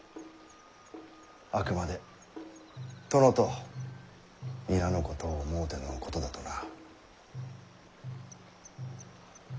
あくまで殿と皆のことを思うてのことだとな。